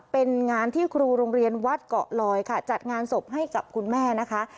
เป็นงานที่ครูโรงเรียนวัดเกาะลอยค่ะจัดงานศพให้กับคุณแม่นะคะ